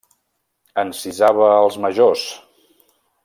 Encisava els majors.